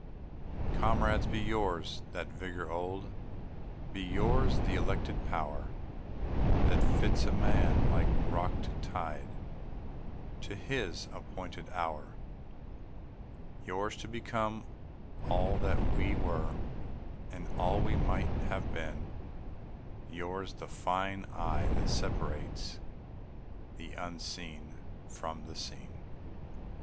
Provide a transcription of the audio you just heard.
Comrades, be yours that vigor old, Be yours the elected power That fits a man, like rock to tide, To his appointed hour; Yours to become all that we were, And all we might have been; Yours the fine eye that separates The unseen from the seen.